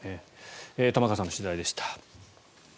玉川さんの取材でした。